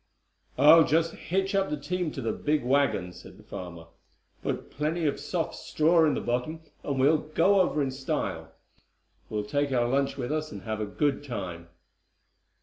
"I'll just hitch up the team to the big wagon," said the farmer, "put plenty of soft straw in the bottom, and we'll go over in style. We'll take our lunch with us, and have a good time."